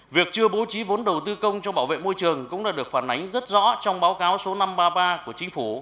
việc chưa bố trí vốn đầu tư công cho bảo vệ môi trường cũng đã được phản ánh rất rõ trong báo cáo số năm trăm ba mươi ba của chính phủ